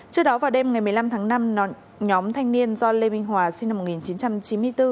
trước đó vào đêm ngày một mươi năm tháng năm nhóm thanh niên do lê minh hòa sinh năm một nghìn chín trăm chín mươi bốn